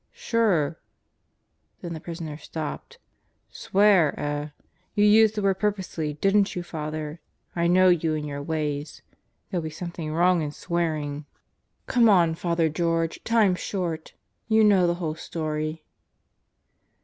"Sure ..." Then the prisoner stopped. "Swear, eh? You used that word purposely, didn't you, Father. I know you and your ways. There'll be something wrong in swearing. ... Come 170 God Goes to Murderers Row on, Father George, time's short. You know the whole story.